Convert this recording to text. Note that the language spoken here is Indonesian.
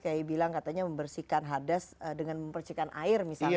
kiai bilang katanya membersihkan hadas dengan membersihkan air misalnya